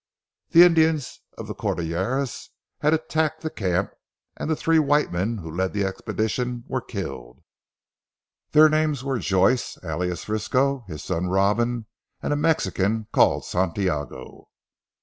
The Indians of the Cordilleras had attacked the camp and the three white men who led the expedition were killed. Their names were Joyce, alias Frisco, his son Robin, and a Mexican called Santiago.